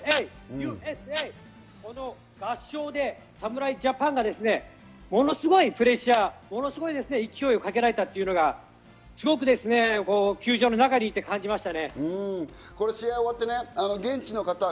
ＵＳＡ！、この合唱で侍ジャパンがですね、ものすごいプレッシャー、ものすごい勢いをかけられたというのがすごくですね、球場の中にいて感じました。